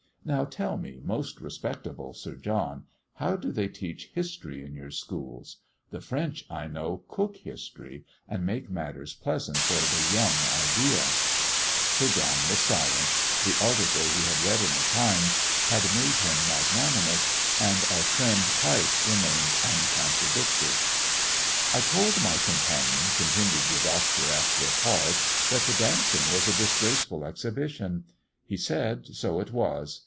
Now tell me, most respectable Sir John, how do they teach history in your schools? The French, I know, cook history, and make matters pleasant for 'the young idea.'" Sir John was silent. The article he had read in the Times had made him magnanimous; and our friend Keif remained uncontradicted. "I told my companion," continued the Doctor, after a pause, "that the dancing was a disgraceful exhibition; he said, so it was.